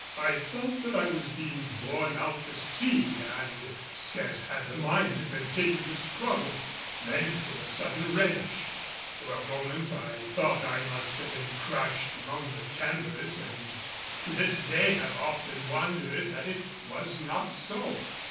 I felt that I was being borne out to sea, and scarce had the mind to continue the struggle. Then came a sudden wrench. For a moment I thought I must have been crushed among the timbers, and to this day have often wondered that it was not so.